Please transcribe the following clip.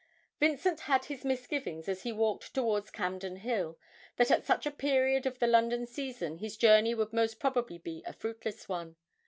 Vincent had his misgivings, as he walked towards Campden Hill, that at such a period of the London season his journey would most probably be a fruitless one.